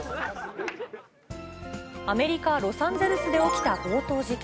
アメリカ・ロサンゼルスで起きた強盗事件。